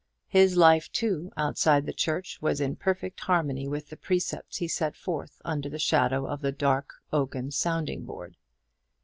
His life, too, outside the church was in perfect harmony with the precepts he set forth under the shadow of the dark oaken sounding board.